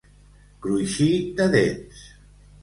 Cruixir de dents.